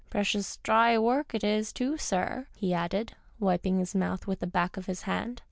Precious dry work it is, too, sir," he added, wijiing his mouth with the back of his hand.